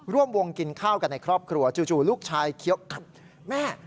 ร่วมวงกินข้าวกันในครอบครัวจู่ลูกชายเคี้ยวกลับแม่